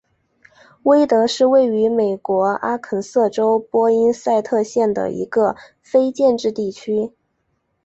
威德是位于美国阿肯色州波因塞特县的一个非建制地区。